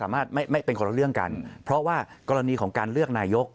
ไม่เป็นคนละเรื่องกันเพราะว่ากรณีของการเลือกนายก